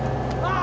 あ！